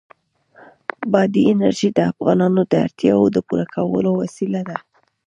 بادي انرژي د افغانانو د اړتیاوو د پوره کولو وسیله ده.